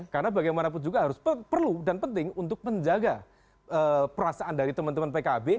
karena bagaimanapun juga harus perlu dan penting untuk menjaga perasaan dari teman teman pkb